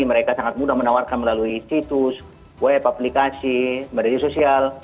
mereka sangat mudah menawarkan melalui situs web aplikasi media sosial